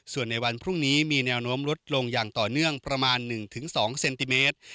ส่วนในวันพรุ่งนี้มีแนวโน้มลดลงอย่างต่อเนื่องประมาณ๑๒เซนติเมตร